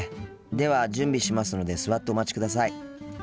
では準備しますので座ってお待ちください。